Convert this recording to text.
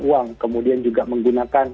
uang kemudian juga menggunakan